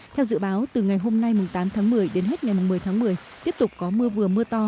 theo dự báo từ ngày hôm nay tám tháng một mươi đến hết ngày một mươi tháng một mươi tiếp tục có mưa vừa mưa to